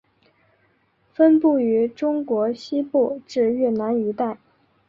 分布于中国西部至越南一带。